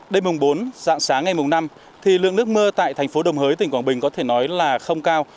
đêm mùng bốn dạng sáng ngày mùng năm thì lượng nước mưa tại thành phố đồng hới tỉnh quảng bình có thể nói là không cao